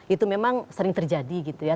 itu memang sering terjadi gitu ya